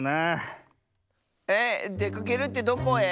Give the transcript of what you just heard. ええっ？でかけるってどこへ？